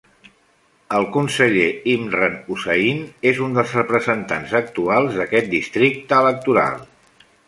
El conseller Imran Hussain és un dels representats actuals d'aquest districte electoral.